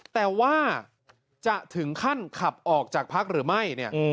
แต่ว่าจะถึงขั้นขับออกจากภักษ์หรือไม่